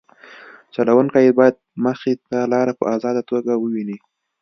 چلوونکی باید مخې ته لاره په ازاده توګه وویني